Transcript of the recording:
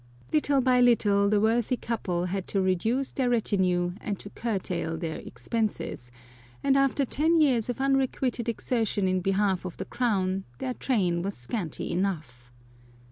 Little by little the worthy couple had to reduce their retinue and to curtail their expenses, and after ten years of unrequited exertion in behalf of the crown, their train was scanty enough.